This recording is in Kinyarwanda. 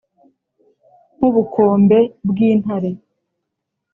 Nk'ubukombe bw'intare